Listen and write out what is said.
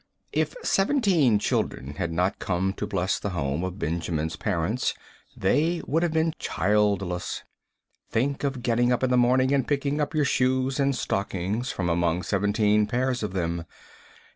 If seventeen children had not come to bless the home of Benjamin's parents, they would have been childless. Think of getting up in the morning and picking out your shoes and stockings from among seventeen pairs of them.